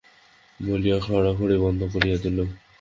বলিয়া খড়খড়ি বন্ধ করিয়া দিল।